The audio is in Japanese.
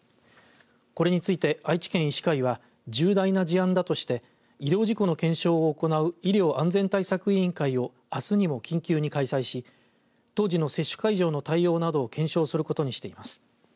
これについて愛知県医師会は重大な事案だとして医療事故の検証を行う医療安全対策委員会をあすにも緊急に開催し当時の接種会場の対応などを検証することにしています。